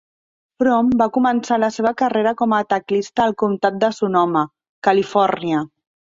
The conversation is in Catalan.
Froom va començar la seva carrera com a teclista al Comtat de Sonoma, Califòrnia.